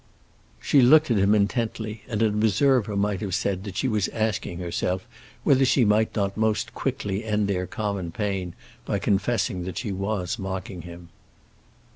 She looked at him intently, and an observer might have said that she was asking herself whether she might not most quickly end their common pain by confessing that she was mocking him.